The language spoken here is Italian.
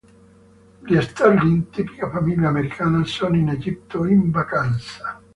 Gli Sterling, tipica famiglia americana, sono in Egitto, in vacanza.